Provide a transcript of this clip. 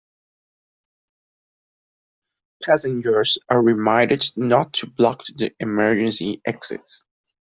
Passengers are reminded not to block the emergency exits.